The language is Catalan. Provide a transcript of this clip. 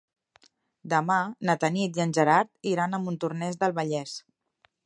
Demà na Tanit i en Gerard iran a Montornès del Vallès.